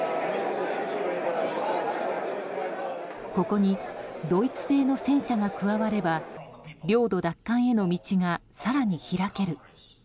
ここにドイツ製の戦車が加われば領土奪還への道が更に開ける。